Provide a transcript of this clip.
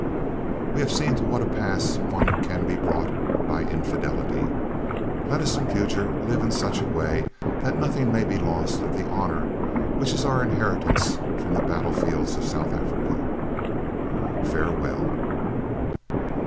"We have seen to what a pass one can be brought by infidelity." "Let us in future live in such a way that nothing may be lost of the honour which is our inheritance from the battle fields of South Africa." "Farewell."